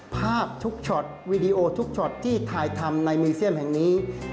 ภาพทุกช็อตวีดีโอทุกช็อตที่ถ่ายทำในมือเซียมแห่งนี้